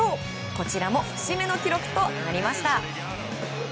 こちらも節目の記録となりました。